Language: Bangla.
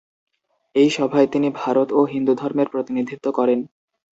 এই সভায় তিনি ভারত ও হিন্দুধর্মের প্রতিনিধিত্ব করেন।